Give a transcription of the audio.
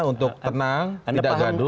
untuk tenang tidak gaduh